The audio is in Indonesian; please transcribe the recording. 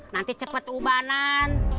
nanti cepet ubanan